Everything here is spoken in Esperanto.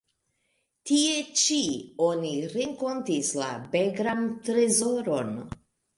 Tie ĉi oni renkontis la Begram-Trezoron.